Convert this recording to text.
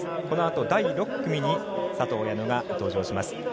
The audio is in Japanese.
このあと、第６組に佐藤綾乃が登場します。